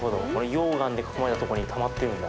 溶岩で囲まれたところにたまってるんだ。